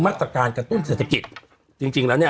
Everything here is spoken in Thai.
มาตรการกระตุ้นเศรษฐกิจจริงจริงแล้วเนี่ย